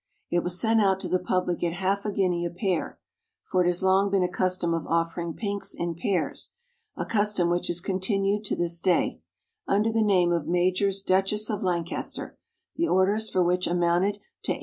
It was sent out to the public at half a guinea a pair (for it has long been a custom of offering Pinks in pairs, a custom which is continued to this day), under the name of MAJOR'S Duchess of Lancaster, the orders for which amounted to £80.